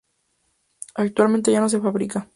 Actualmente ya no se fabrica.